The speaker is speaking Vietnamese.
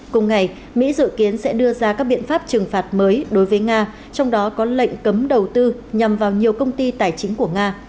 cùng ngày mỹ dự kiến sẽ đưa ra các biện pháp trừng phạt mới đối với nga trong đó có lệnh cấm đầu tư nhằm vào nhiều công ty tài chính của nga